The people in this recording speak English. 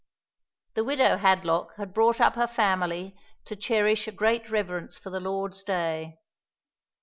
The widow Hadlock had brought up her family to cherish a great reverence for the Lord's day.